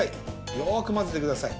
よくまぜてください。